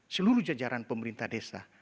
seluruh jajaran pemerintah desa